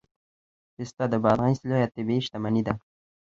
پسته د بادغیس لویه طبیعي شتمني ده